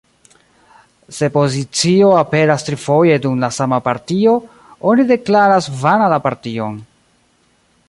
Se pozicio aperas trifoje dum la sama partio, oni deklaras vana la partion.